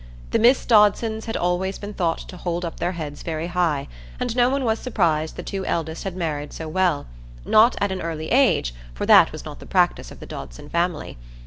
The Miss Dodsons had always been thought to hold up their heads very high, and no one was surprised the two eldest had married so well,—not at an early age, for that was not the practice of the Dodson family.